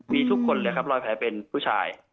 มีทุกคนเลยครับรอยแผลเป็นผู้ชาย